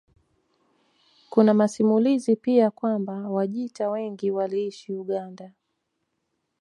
Kuna masimulizi pia kwamba Wajita wengi waliishi Uganda